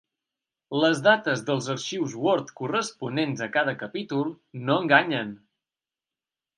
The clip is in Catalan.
Les dates dels arxius Word corresponents a cada capítol no enganyen.